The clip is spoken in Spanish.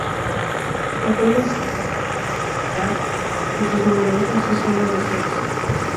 El juego utiliza un sistema similar en sus numerosas escenas de sexo.